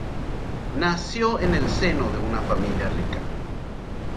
Nació en el seno de una familia rica.